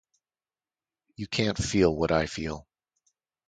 You can't feel what I feel.